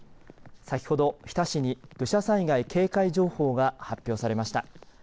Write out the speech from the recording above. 先ほど日田市に土砂災害警戒情報が発表されました。